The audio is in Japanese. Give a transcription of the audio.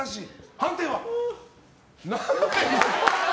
判定は？